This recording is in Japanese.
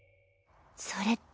それって。